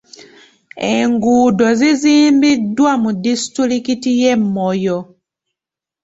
Enguudo zizimbiddwa mu disitulikiti y'e Moyo.